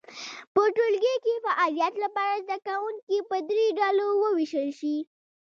په ټولګي کې فعالیت لپاره زده کوونکي په درې ډلو وویشل شي.